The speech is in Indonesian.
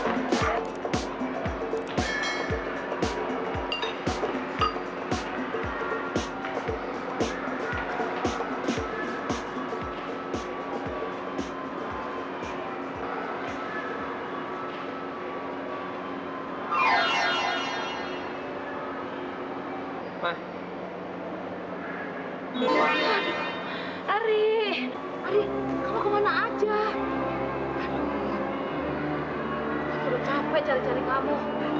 aku sudah capek cari kamu